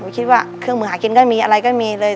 คิดว่าเครื่องมือหากินก็มีอะไรก็มีเลย